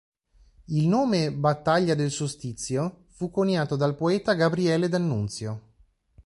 Il nome "battaglia del Solstizio" fu coniato dal poeta Gabriele d'Annunzio.